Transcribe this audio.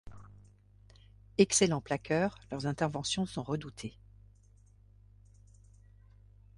Excellents plaqueurs, leurs interventions sont redoutées.